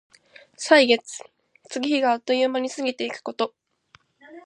歳月、月日があっという間に過ぎてゆくこと。